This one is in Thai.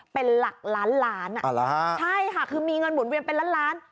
เป็นหลักล้านล้านใช่ค่ะคือมีเงินหมุนเวียนเป็นล้านล้าน